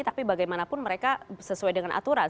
tapi bagaimanapun mereka sesuai dengan aturan